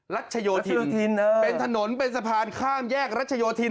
รัชโยธินเป็นถนนเป็นสะพานข้ามแยกรัชโยธิน